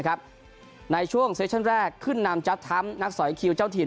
ครับในช่วงเซชั่นแรกขึ้นนำจับทำนักสอยคิวเจ้าถีน